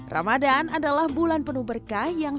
ramadan adalah bulan penuh berkah yang